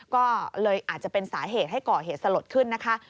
ก็เลยอาจจะเป็นสาเหตุให้ก่อเหตุสลดขึ้นนะคะ